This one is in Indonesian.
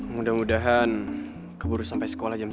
mudah mudahan keburu sampai sekolah jam satu